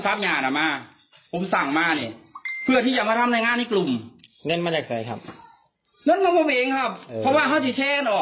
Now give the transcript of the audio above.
จนตัดอย่างมาเชื่อข้างไปจำกัดอย่ามาเพื่อที่จะมาทำในงานดู